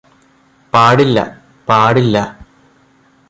പാടില്ല പാടില്ല